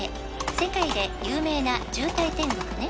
「世界で有名な渋滞天国ね」